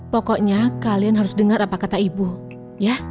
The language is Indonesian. pokoknya kalian harus dengar apa kata ibu ya